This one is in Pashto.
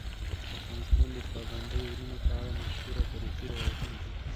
افغانستان د پابندی غرونه په اړه مشهور تاریخی روایتونه لري.